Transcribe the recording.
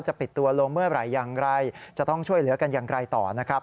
ปิดตัวลงเมื่อไหร่อย่างไรจะต้องช่วยเหลือกันอย่างไรต่อนะครับ